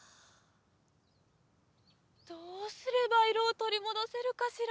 どうすればいろをとりもどせるかしら。